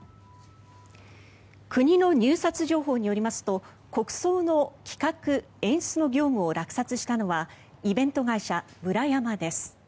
国の入札情報によりますと国葬の企画・演出の業務を落札したのはイベント会社ムラヤマです。